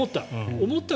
思った。